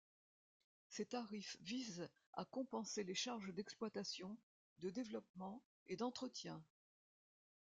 Ces tarifs visent à compenser les charges d’exploitation, de développement et d’entretien.